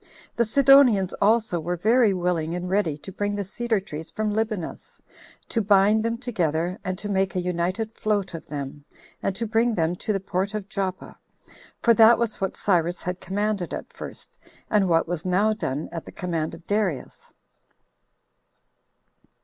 The Sidonians also were very willing and ready to bring the cedar trees from Libanus, to bind them together, and to make a united float of them, and to bring them to the port of Joppa, for that was what Cyrus had commanded at first, and what was now done at the command of Darius.